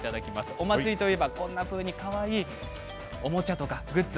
お祭りといえば、こんなふうにかわいいおもちゃやグッズ